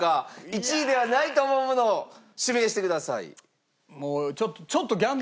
１位ではないと思うものを指名してください。